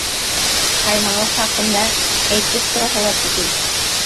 Ҡаймағы хаҡында әйтеп тораһы ла түгел!